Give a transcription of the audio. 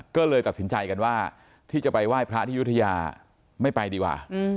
ก็เลยตัดสินใจกันว่าที่จะไปไหว้พระที่ยุธยาไม่ไปดีกว่า